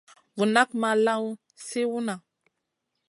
Vu nak ma lawn sui nʼa.